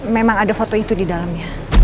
memang ada foto itu di dalamnya